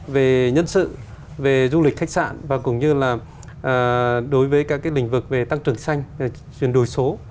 về nhân sự về du lịch khách sạn và cũng như là đối với các cái lĩnh vực về tăng trưởng xanh chuyển đổi số